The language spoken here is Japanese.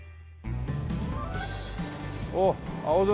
おお青空！